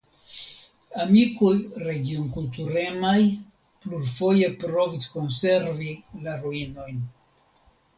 Amikoj regionkulturemaj plurfoje provis konservi la ruinojn.